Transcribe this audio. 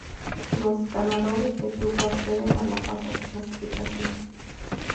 Los ganadores de grupo acceden a la fase de clasificación.